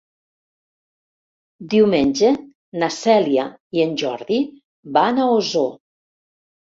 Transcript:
Diumenge na Cèlia i en Jordi van a Osor.